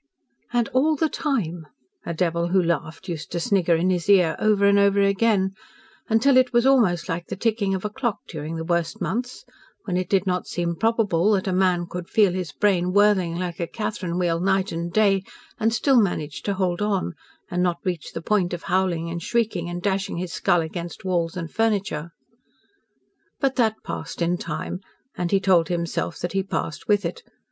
"And all the time !" a devil who laughed used to snigger in his ear over and over again, until it was almost like the ticking of a clock during the worst months, when it did not seem probable that a man could feel his brain whirling like a Catherine wheel night and day, and still manage to hold on and not reach the point of howling and shrieking and dashing his skull against wails and furniture. But that passed in time, and he told himself that he passed with it.